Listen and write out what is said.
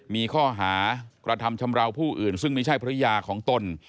มีข้อหากระทำชำราวผู้อื่นซึ่งไม่ใช่ภรรยาของตน